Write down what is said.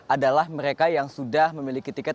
adalah mereka yang sudah memiliki tiket